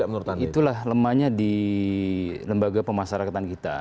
itulah lemahnya di lembaga pemasarakatan kita